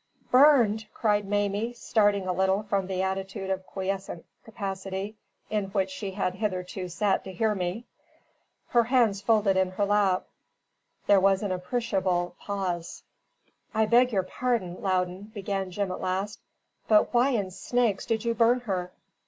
"Burned!" cried Mamie, starting a little from the attitude of quiescent capacity in which she had hitherto sat to hear me, her hands folded in her lap. There was an appreciable pause. "I beg your pardon, Loudon," began Jim at last, "but why in snakes did you burn her?"